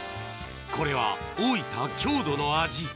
これは大分郷土の味